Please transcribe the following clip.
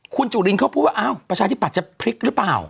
คุณจุลินเขาพูดว่าอ้าวประชาธิบัตย์จะพลิกหรือเปล่า